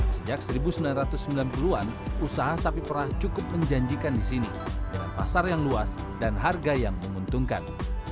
sejak seribu sembilan ratus sembilan puluh an usaha sapi perah cukup menjanjikan di sini dengan pasar yang luas dan harga yang menguntungkan